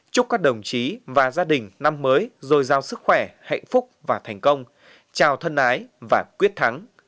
chúc các đồng chí và gia đình năm mới dồi dào sức khỏe hạnh phúc và thành công chào thân ái và quyết thắng